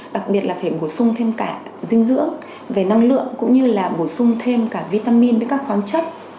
đặc biệt là phải bổ sung thêm cả dinh dưỡng về năng lượng cũng như là bổ sung thêm cả vitamin với các khoáng chất